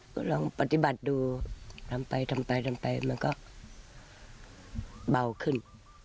ก็ลองปฏิบัติดูทำไปทำไปทำไปมันก็เบาขึ้น